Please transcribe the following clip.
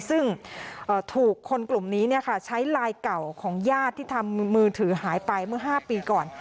ซึ่งถูกคนกลุ่มนี้ใช้ไลน์เก่าของญาติที่ทำมือถือหายไปเมื่อ๕ปีก่อน